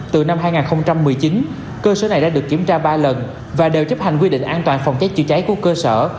từ năm hai nghìn một mươi chín cơ sở này đã được kiểm tra ba lần và đều chấp hành quy định an toàn phòng cháy chữa cháy của cơ sở